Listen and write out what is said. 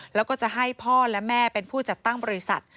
แล้วก็จะให้พ่อและแม่เป็นผู้จัดตั้งบริษัท